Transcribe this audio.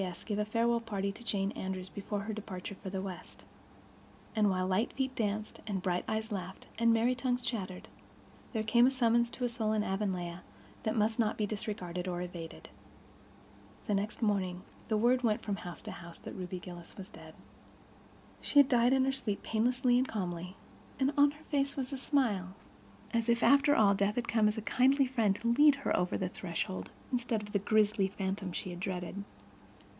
S. gave a farewell party to Jane Andrews before her departure for the West. And, while light feet danced and bright eyes laughed and merry tongues chattered, there came a summons to a soul in Avonlea that might not be disregarded or evaded. The next morning the word went from house to house that Ruby Gillis was dead. She had died in her sleep, painlessly and calmly, and on her face was a smile—as if, after all, death had come as a kindly friend to lead her over the threshold, instead of the grisly phantom she had dreaded.